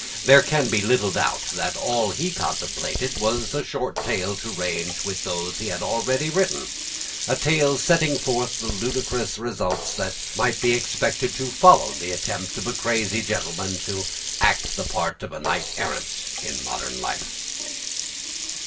There can be little doubt that all he contemplated was a short tale to range with those he had already written, a tale setting forth the ludicrous results that might be expected to follow the attempt of a crazy gentleman to act the part of a knight errant in modern life.